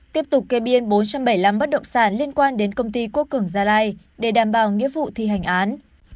tiếp tục kê biên bốn trăm bảy mươi năm bất động sản liên quan đến công ty quốc cường gia lai để đảm bảo nghĩa vụ thi hành án